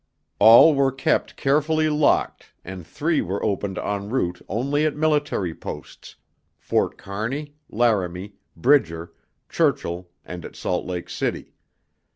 All were kept carefully locked and three were opened en route only at military posts Forts Kearney, Laramie, Bridger, Churchill and at Salt Lake City.